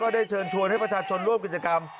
ได้เชิญชวนให้ประชาชนร่วมกิจกรรม